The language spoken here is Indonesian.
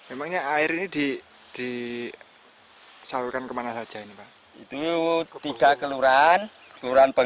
emang nggak ada sumber lain